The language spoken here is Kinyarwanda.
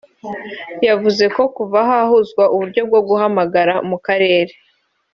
yavuze ko kuva hahuzwa uburyo bwo guhamagara mu karere